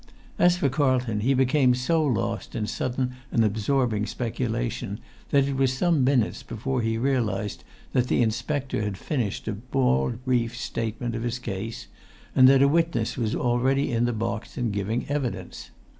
As for Carlton, he became so lost in sudden and absorbing speculation that it was some minutes before he realised that the inspector had finished a bald brief statement of his case, and that a witness was already in the box and giving evidence.